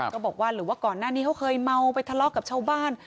ก็บอกว่าหรือว่าก่อนหน้านี้เขาเคยเมาไปทะเลาะกับชาวบ้าน